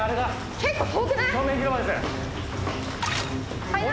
結構遠くない？